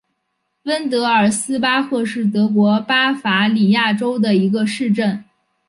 温德尔斯巴赫是德国巴伐利亚州的一个市镇。